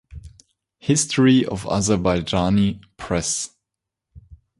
History of Azerbaijani press